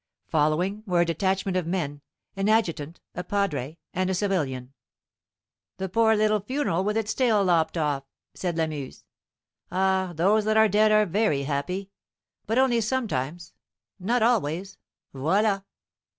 Following, were a detachment of men, an adjutant, a padre, and a civilian. "The poor little funeral with its tail lopped off!" said Lamuse. "Ah, those that are dead are very happy. But only sometimes, not always voila!"